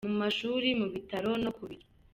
Mu mashuri mu bitaro no ku biro.